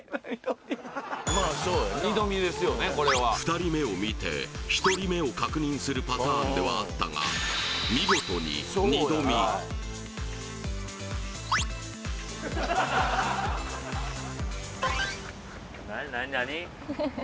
２人目を見て１人目を確認するパターンではあったが見事に２度見何何何？